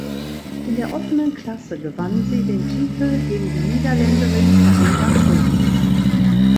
In der offenen Klasse gewann sie den Titel gegen die Niederländerin Carina Thomas.